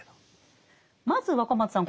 まず若松さん